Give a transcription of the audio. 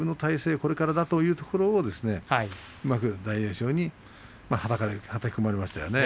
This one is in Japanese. これからだというところにうまく大栄翔にはたき込まれましたね。